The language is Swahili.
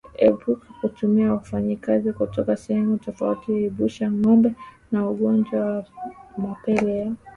Epuka kutumia wafanyakazi kutoka sehemu tofauti kuepusha ngombe na ugonjwa wa mapele ya ngozi